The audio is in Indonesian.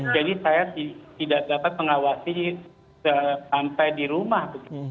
jadi saya tidak dapat mengawasi sampai di rumah